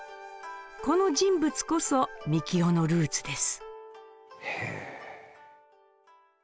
この人物こそみきおのルーツです。